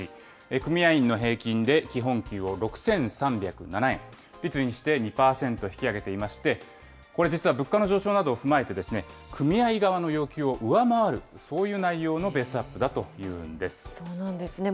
組合員の平均で基本給を６３０７円、率にして２％引き上げていまして、これ実は、物価の上昇などを踏まえて、組合側の要求を上回る、そういう内容のベースアップそうなんですね。